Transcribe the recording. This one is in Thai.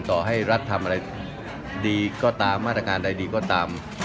ต่อให้รัฐทำอะไรดีก็ตามมาตรการใดดีก็ตาม